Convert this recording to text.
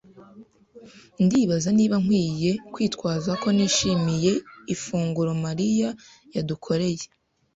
Ndibaza niba nkwiye kwitwaza ko nishimiye ifunguro Mariya yadukoreye.